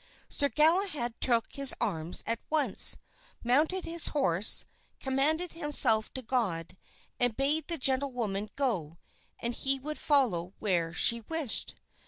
Sir Galahad took his arms at once, mounted his horse, commended himself to God, and bade the gentlewoman go and he would follow where she wished.